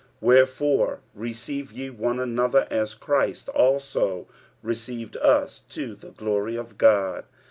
45:015:007 Wherefore receive ye one another, as Christ also received us to the glory of God.